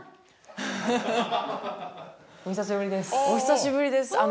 お久しぶりです